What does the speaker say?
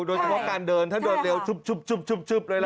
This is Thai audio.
โดยเฉพาะการเดินถ้าเดินเร็วชุบเลยล่ะ